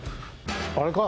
あれか？